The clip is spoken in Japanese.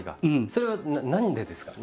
それは何でですか？